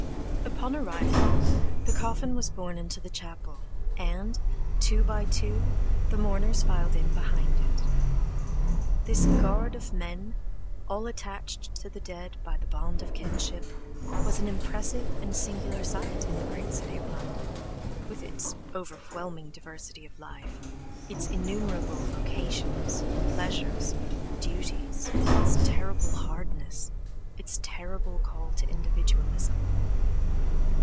Upon arriving, the coffin was borne into the chapel, and, two by two, the mourners filed in behind it. This guard of men, all attached to the dead by the bond of kinship, was an impressive and singular sight in the great city of London, with its overwhelming diversity of life, its innumerable vocations, pleasures, duties, its terrible hardness, its terrible call to individualism.